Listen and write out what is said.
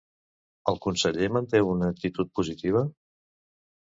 El conseller manté una actitud positiva?